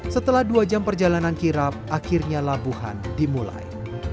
setelah dua jam perjalanan kirap akhirnya labuhan dimulai